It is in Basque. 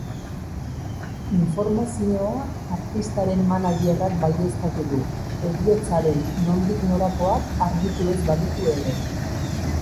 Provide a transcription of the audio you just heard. Informazioa artistaren managerrak baieztatu du, heriotzaren nondik norakoak argitu ez baditu ere.